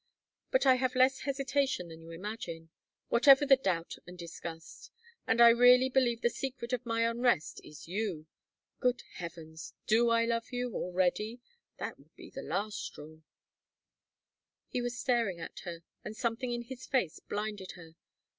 But I have less hesitation than you imagine whatever the doubt and disgust. And I really believe the secret of my unrest is you! Good heavens! Do I love you already that would be the last straw!" He was staring at her, and something in his face blinded her.